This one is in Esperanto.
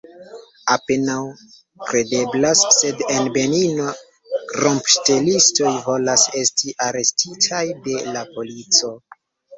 Apenaŭ kredeblas, sed en Benino rompŝtelistoj volas esti arestitaj de la polico.